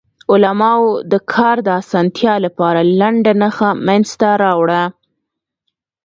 علماوو د کار د اسانتیا لپاره لنډه نښه منځ ته راوړه.